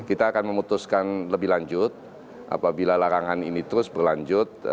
kita akan memutuskan lebih lanjut apabila larangan ini terus berlanjut